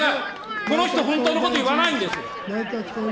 この人、本当のこと言わないんですよ。